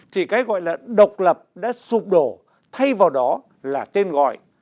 thì cái gọi là độc lập đã sụp đổ thay vào đó là tên gọi